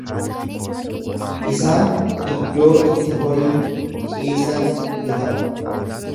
Isaan iddoo itti horiin ciisan ni ta'u.